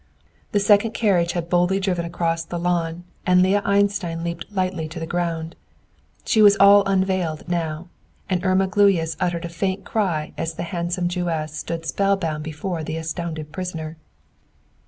The second carriage had boldly driven across the lawn, and Leah Einstein leaped lightly to the ground. She was all unveiled now, and Irma Gluyas uttered a faint cry as the handsome Jewess stood spellbound before the astounded prisoner.